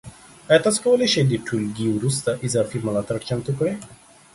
ایا تاسو کولی شئ د ټولګي وروسته اضافي ملاتړ چمتو کړئ؟